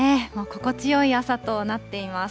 心地よい朝となっています。